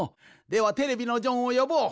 ではテレビのジョンをよぼう！